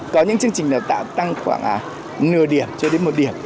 có những chương trình đào tạo tăng khoảng nửa điểm cho đến một điểm